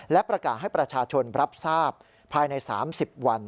และประกาศให้ประชาชนรับทราบภายใน๓๐วัน